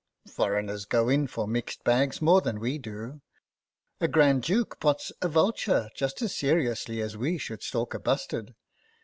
" Foreigners go in for mixed bags more than we do. A Grand Duke pots a vulture just as seriously as we should stalk a bustard.